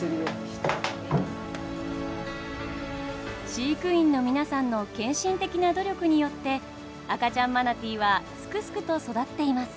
飼育員の皆さんの献身的な努力によって赤ちゃんマナティーはすくすくと育っています。